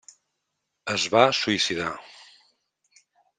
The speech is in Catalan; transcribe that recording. Es va suïcidar.